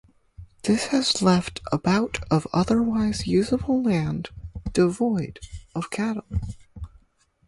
This has left about of otherwise usable land devoid of cattle.